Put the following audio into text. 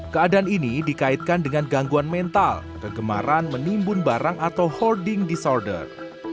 keadaan ini dikaitkan dengan gangguan mental kegemaran menimbun barang atau holding disorder